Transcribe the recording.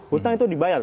hutang itu dibayar